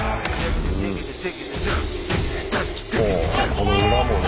この裏もね。